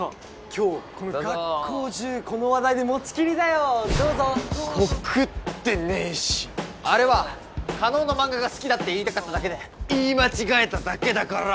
今日この学校中この話題で持ちきりだよどうぞ告ってねえしあれは叶の漫画が好きだって言いたかっただけで言い間違えただけだから！